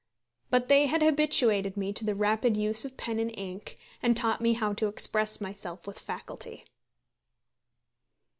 But they had habituated me to the rapid use of pen and ink, and taught me how to express myself with facility.